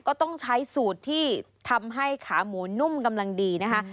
ก็ต้องใช้สูตรที่ทำให้ขาหมูนุ่มกำลังดีนะคะ